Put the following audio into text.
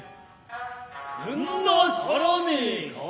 くんなさらねえか。